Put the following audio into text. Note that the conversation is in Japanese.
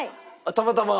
たまたま？